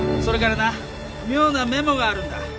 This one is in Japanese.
それからな妙なメモがあるんだ。